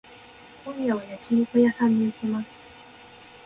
今夜は焼肉屋さんに行きます。